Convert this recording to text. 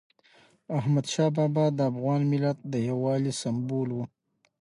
احمدشاه بابا د افغان ملت د یووالي سمبول و.